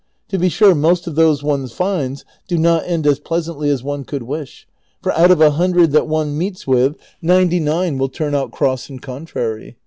To be sure most of those one finds do not end as pleas antly as one could wish, for out of a hundred that one meets with, ninety nine will turn out cross and contrary.